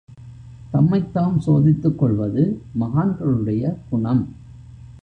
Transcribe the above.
தம்மைத் தாம் சோதித்துக் கொள்வது மகான்களுடைய குணம்.